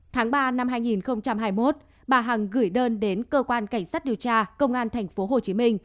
tháng ba năm hai nghìn hai mươi một bà hằng gửi đơn đến cơ quan cảnh sát điều tra công an tp hcm